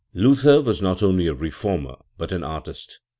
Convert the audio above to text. Q Luther was not only a reformer tut an artist.